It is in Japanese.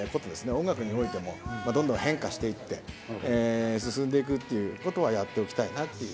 音楽においてもどんどん変化していって、進んでいくということは、やっておきたいな。